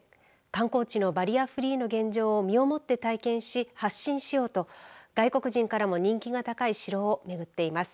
観光地のバリアフリーの現状を身をもって体験し発信しようと外国人からも人気が高い城を巡っています。